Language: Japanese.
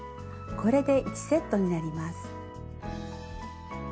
これで１セットになります。